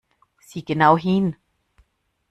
Sieh genau hin!